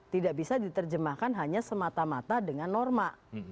tidak bisa diterjemahkan hanya semata mata dengan norma